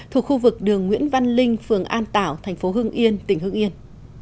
thuộc khu vực đường nguyễn văn linh phường an tảo thành phố hương yên tỉnh hương yên